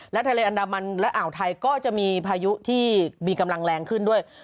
และทะเลอันดามันและอ่าวไทยก็จะมีพายุที่มีกำลังแรงขึ้นด้วย